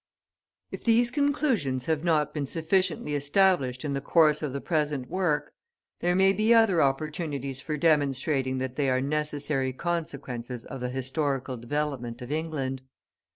If these conclusions have not been sufficiently established in the course of the present work, there may be other opportunities for demonstrating that they are necessary consequences of the historical development of England.